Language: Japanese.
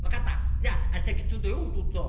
じゃあ明日きっとだよおとっつぁん。